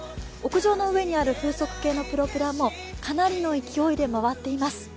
屋上の上にある風速計のプロペラもかなりの勢いで回っています。